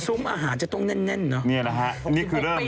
ซุ้มอาหารจะต้องแน่นเนอะนี่ครับขอคกี่กระปลิ๊ปกระปอย